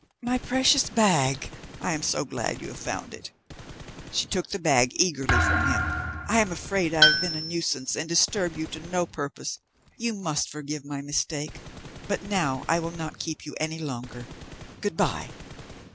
My precious bag! I am so glad you have found it." She took the bag eagerly from him. "I am afraid I have been a nuisance, and disturbed you to no purpose. You must forgive my mistake. But now I will not keep you any longer. Good bye."